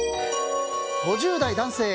５０代男性。